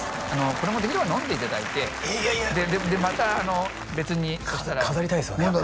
これもできれば飲んでいただいてまた別にそしたら飾りたいですよね